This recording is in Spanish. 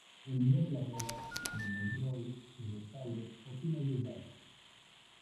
El día de la boda de Monroe y Rosalee por fin ha llegado.